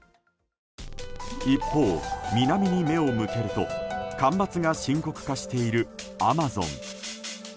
一方、南に目を向けると干ばつが深刻化しているアマゾン。